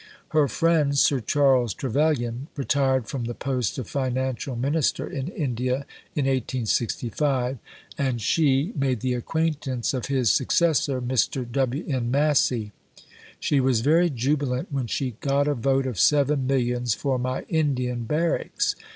Her friend, Sir Charles Trevelyan, retired from the post of Financial Minister in India in 1865, and she made the acquaintance of his successor, Mr. W. N. Massey. She was very jubilant when she "got a vote of seven millions for my Indian barracks."